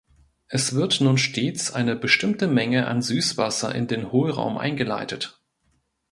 Es wird nun stets eine bestimmte Menge an Süßwasser in den Hohlraum eingeleitet.